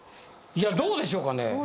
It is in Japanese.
いやどうでしょうかね。